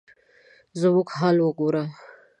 زموږ حال وګوره ؟